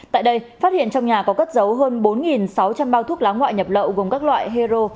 tại đây phát hiện trong nhà có cất dấu hơn bốn sáu trăm linh bao thuốc lá ngoại nhập lậu gồm các loại hero